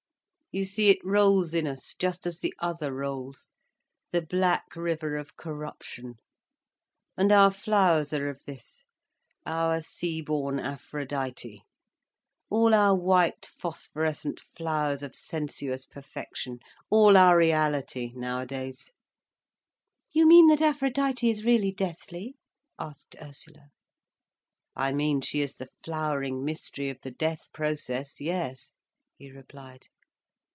You see it rolls in us just as the other rolls—the black river of corruption. And our flowers are of this—our sea born Aphrodite, all our white phosphorescent flowers of sensuous perfection, all our reality, nowadays." "You mean that Aphrodite is really deathly?" asked Ursula. "I mean she is the flowering mystery of the death process, yes," he replied.